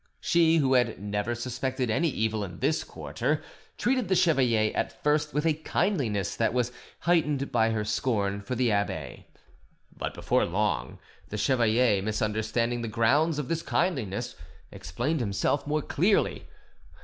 She, who had never suspected any evil in this quarter, treated the chevalier at first with a kindliness that was heightened by her scorn for the abbe. But, before long, the chevalier, misunderstanding the grounds of this kindliness, explained himself more clearly.